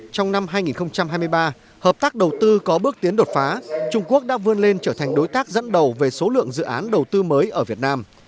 trong năm hai nghìn hai mươi ba hợp tác đầu tư có bước tiến đột phá trung quốc đã vươn lên trở thành đối tác dẫn đầu về số lượng dự án đầu tư mới ở việt nam